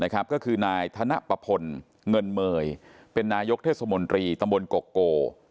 ก็คือนายธนปะพลเงินเมยเป็นนายกเทศมนตรีตำบลกกโก